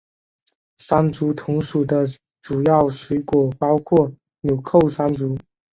山竹同属的主要水果包括钮扣山竹。